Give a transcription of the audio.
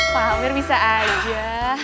pak amir bisa aja